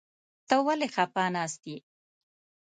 ته ولې خپه ناست يې ؟